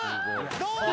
どうだ！？